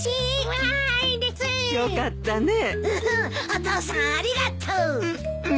お父さんありがとう！うっうん。